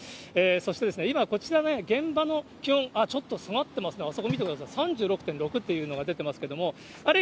そして今、こちら現場の気温、ちょっと下がってますね、あそこ見てください、３６．６というのが出てますけども、あれ、